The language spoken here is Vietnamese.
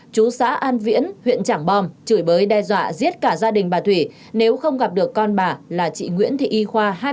chú xã an viễn huyện trảng bom chửi bới đe dọa giết cả gia đình bà thủy nếu không gặp được con bà là chị nguyễn thị y khoa